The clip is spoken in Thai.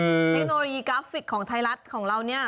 เทคโนโลยีกราฟิกของไทยรัฐของเราเนี่ย